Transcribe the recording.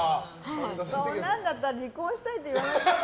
そんなんだったら離婚したいって言わない。